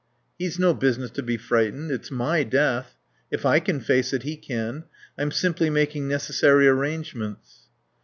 "He's no business to be frightened. It's my death. If I can face it, he can. I'm simply making necessary arrangements."